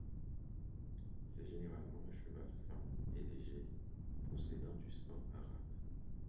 C'est généralement un cheval fin et léger possédant du sang arabe.